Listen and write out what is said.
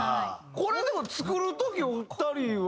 これでも作る時お二人は。